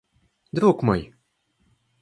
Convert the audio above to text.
Друг мой!